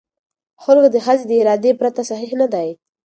خلع د ښځې د ارادې پرته صحیح نه دی.